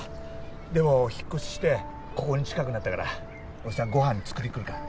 でも引っ越ししてここに近くなったからおじさんご飯作りに来るから。